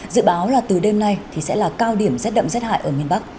dự báo là từ đêm nay thì sẽ là cao điểm rét đậm rét hại ở miền bắc